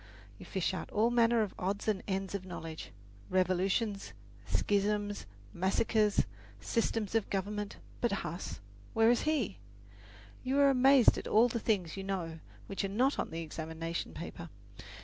You fish out all manner of odds and ends of knowledge revolutions, schisms, massacres, systems of government; but Huss where is he? You are amazed at all the things you know which are not on the examination paper.